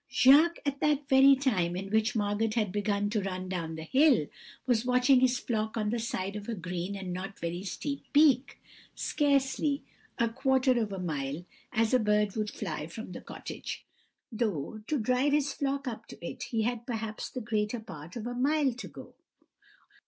"Jacques, at the very time in which Margot had begun to run down the hill, was watching his flock on the side of a green and not very steep peak, scarcely a quarter of a mile, as a bird would fly, from the cottage, though, to drive his flock up to it, he had perhaps the greater part of a mile to go.